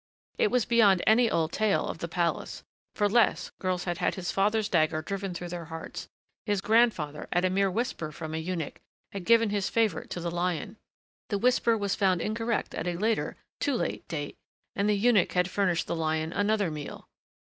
It was beyond any old tale of the palace. For less, girls had had his father's dagger driven through their hearts his grandfather, at a mere whisper from a eunuch, had given his favorite to the lion. The whisper was found incorrect at a later too late date, and the eunuch had furnished the lion another meal.